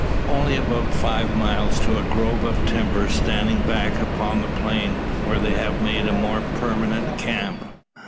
Only about five miles, to a grove of timber standing back upon the plain, where they have made a more permanent camp.